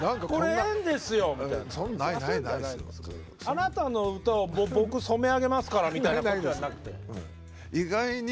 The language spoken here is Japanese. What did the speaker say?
あなたの歌を僕染め上げますからみたいなことじゃなくて。